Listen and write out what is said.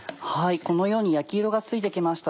このように焼き色がついて来ました。